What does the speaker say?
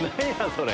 それ。